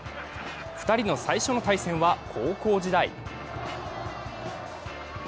２人の最初の対戦は高校時代。